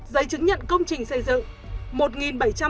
giấy chứng nhận công trình xây dựng